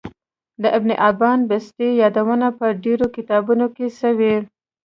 د ابن حبان بستي يادونه په ډیرو کتابونو کی سوی